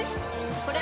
これ！